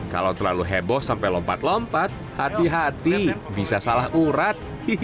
kalau terlalu heboh sampai lompat lompat hati hati bisa salah urat